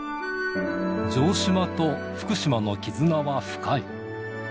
城島と福島の絆は深い。